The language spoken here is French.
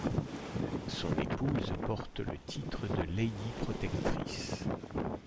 Son épouse porte le titre de Lady Protectrice.